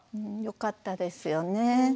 よかったですよね。